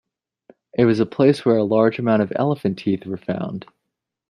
It was a place where a large amount of elephant teeth were found.